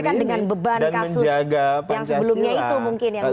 tapi kan dengan beban kasus yang sebelumnya itu mungkin yang